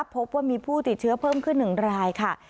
พบว่ามีผู้ติดเชื้อเพิ่มขึ้น๑รายค่ะ